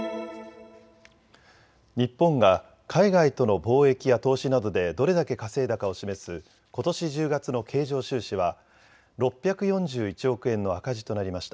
日本が海外との貿易や投資などでどれだけ稼いだかを示すことし１０月の経常収支は６４１億円の赤字となりました。